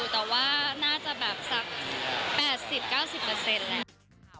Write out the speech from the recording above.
แต่ว่าน่าจะแบบสัก๘๐๙๐แหละ